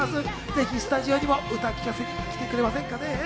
ぜひスタジオにも歌を聴かせに来てくれませんかね。